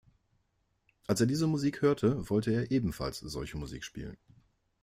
Als er diese Musik hörte, wollte er ebenfalls solche Musik spielen.